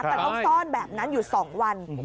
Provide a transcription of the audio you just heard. แต่ต้องซ่อนแบบนั้นอยู่๒วัน